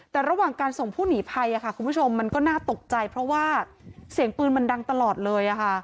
แต่ระหว่างการส่งผู้หนีภัยคุณผู้ชมมันก็น่าตกใจเพราะว่าเสียงปืนมันดังตลอดเลย